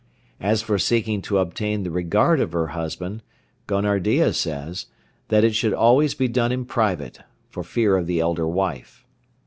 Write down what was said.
As for seeking to obtain the regard of her husband, Gonardiya says, that it should always be done in private, for fear of the elder wife.